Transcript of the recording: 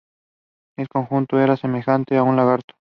En conjunto, era semejante a un lagarto.